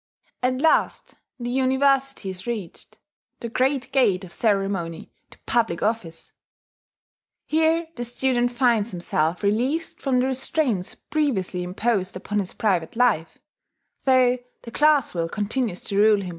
At last the University is reached, the great gate of ceremony to public office. Here the student finds himself released from the restraints previously imposed upon his private life,* though the class will continues to rule him in certain directions.